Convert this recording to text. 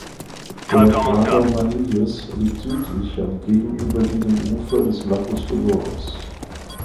Der Krater Manilius liegt südlich, am gegenüberliegenden Ufer des "Lacus Doloris".